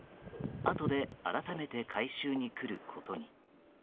あとで改めて回収に来ることに。